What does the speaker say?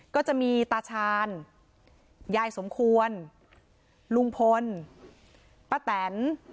ก็จะมีตาชาญยายสมควรลุงพลป้าแตน